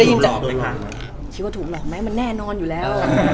เหมือนนางก็เริ่มรู้แล้วเหมือนนางก็เริ่มรู้แล้ว